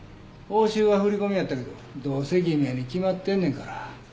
報酬は振り込みやったけどどうせ偽名に決まってんねんから。